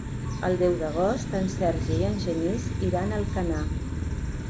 El deu d'agost en Sergi i en Genís iran a Alcanar.